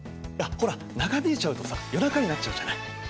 いやほら長引いちゃうとさ夜中になっちゃうじゃない。